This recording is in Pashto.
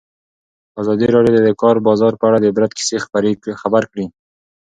ازادي راډیو د د کار بازار په اړه د عبرت کیسې خبر کړي.